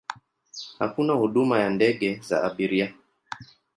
Hakuna huduma ya ndege za abiria.